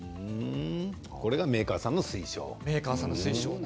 これがメーカーさんの推奨。